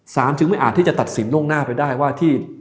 จึงไม่อาจที่จะตัดสินล่วงหน้าไปได้ว่าที่